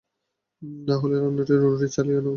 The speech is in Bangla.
না হলে রান্নাঘরে রুটি বানাও।